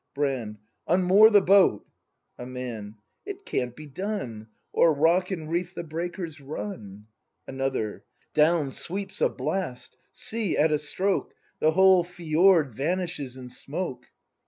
Brand. Unmoor the boat. A Man. It can't be done; O'er rock and reef the breakers run. Another, Down sweeps a blast! See, at a stroke The whole fjord vanishes in smoke!